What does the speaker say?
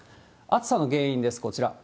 暑さの原因です、こちら。